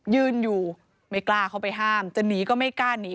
ยืนอยู่ไม่กล้าเข้าไปห้ามจะหนีก็ไม่กล้าหนี